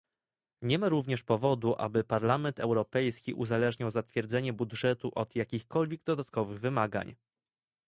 Nie ma również powodu, aby Parlament Europejski uzależniał zatwierdzenie budżetu od jakichkolwiek dodatkowych wymagań